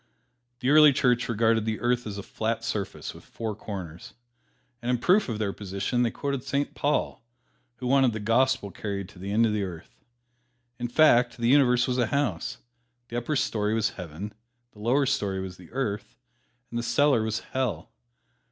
The early church regarded the earth as a flat surface with four corners. And in proof of their position they quoted Saint Paul, who wanted the gospel carried to the ends of the earth. In fact, the universe was a house. The upper story was Heaven, the lower story was the Earth, and the cellar was Hell.